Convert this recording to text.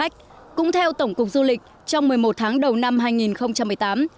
cũng theo tổng cục du lịch trong một mươi một tháng đầu năm hai nghìn một mươi tám